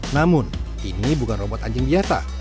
namun ini bukan robot anjing biasa